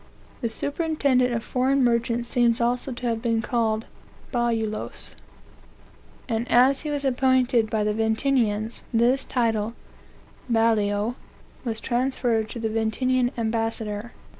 The superintendent of foreign merchants seems also to have been called bajulos; and, as he was appointed by the Venetians, this title (balio) was transferred to the Venetian ambassador.